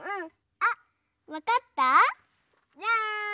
あわかった？じゃん！